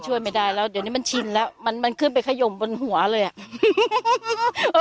ช่วยไม่ได้แล้วเดี๋ยวนี้มันชินแล้วมันมันขึ้นไปขยมบนหัวเลยอ่ะ